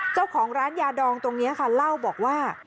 เจ้าของร้านยาดองตรงนี้ค่ะเล่าบอกว่า